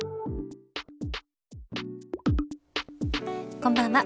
こんばんは。